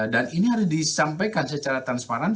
dan ini harus disampaikan secara transparan